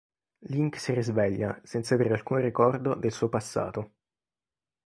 Link si risveglia, senza avere alcun ricordo del suo passato.